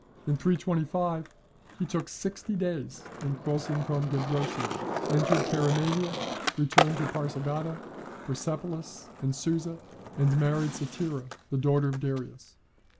In 325, he took sixty days in crossing from Gedrosia, entered Keramania, returned to Pasargada, Persepolis, and Susa, and married Statira, the daughter of Darius.